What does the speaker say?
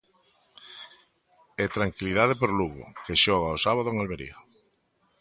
E tranquilidade por Lugo, que xoga o sábado en Almería.